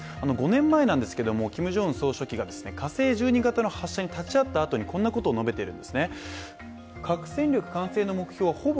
５年前ですが、キム・ジョンウン総書記が火星１２型の発射に立ち会ったあとにこんなことを述べているんですね。